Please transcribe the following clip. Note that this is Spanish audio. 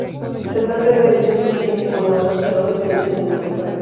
Se trata de una edición deficiente, con numerosos errores y omisiones de lectura.